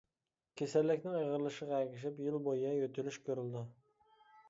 كېسەللىكنىڭ ئېغىرلىشىشىغا ئەگىشىپ يىل بويى يۆتىلىش كۆرۈلىدۇ.